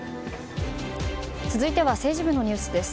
続いては政治部のニュースです。